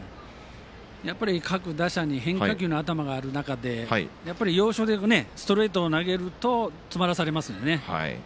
やっぱり各打者に変化球が頭にある中で要所でストレートを投げると詰まらされますね。